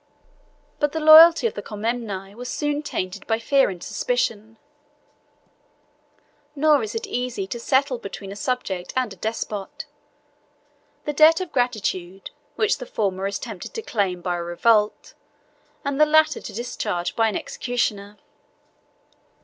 But the loyalty of the Comneni was soon tainted by fear and suspicion; nor is it easy to settle between a subject and a despot, the debt of gratitude, which the former is tempted to claim by a revolt, and the latter to discharge by an executioner.